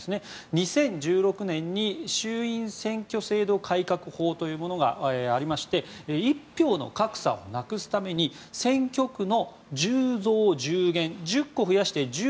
２０１６年に衆院選挙制度改革法というものがありまして一票の格差をなくすために選挙区の１０増１０減、１０個増やして１０